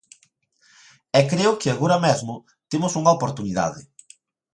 E creo que agora mesmo temos unha oportunidade.